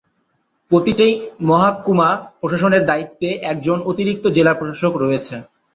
প্রতিটি মহকুমা প্রশাসনের দায়িত্বে একজন অতিরিক্ত জেলা প্রশাসক রয়েছে।